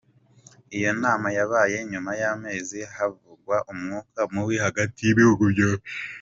Iyo nama yabaye nyuma y’amezi havugwa umwuka mubi hagati y’ibihugu byombi.